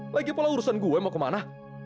lagi pula urusan gue mau kemana